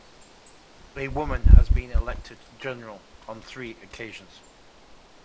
A woman has been elected as General on three occasions.